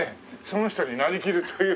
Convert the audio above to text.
その人になりきるという。